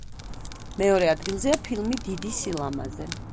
მეორე ადგილზეა ფილმი „დიდი სილამაზე“.